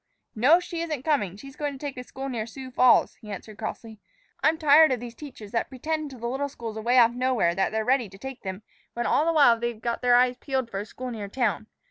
"No, she isn't coming; she's going to take a school near Sioux Falls," he answered crossly. "I'm tired of these teachers that pretend to the little schools away off nowhere that they're ready to take them, when all the while they've got their eyes peeled for a school near town.